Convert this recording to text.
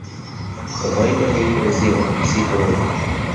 Kwa kawaida huitwa "ziwa", si "hori".